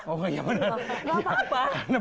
oh iya benar nggak apa apa